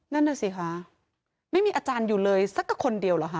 นั่นน่ะสิคะไม่มีอาจารย์อยู่เลยสักกับคนเดียวเหรอคะ